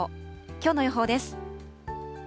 きょうの予報です。